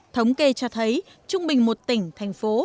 thống kê cho thấy trung bình một tỉnh thành phố